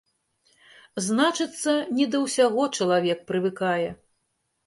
Значыцца, не да ўсяго чалавек прывыкае.